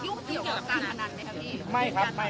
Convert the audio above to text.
มีการพนันไหมครับพี่